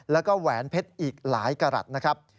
แล้วก็แหวนเพชรอีกหลายกรัฐนะครับ